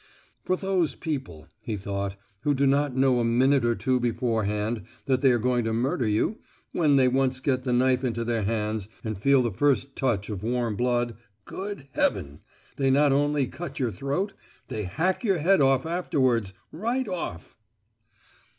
"For those people," he thought, "who do not know a minute or two before hand that they are going to murder you, when they once get the knife into their hands, and feel the first touch of warm blood—Good Heaven! they not only cut your throat, they hack your head off afterwards—right off!"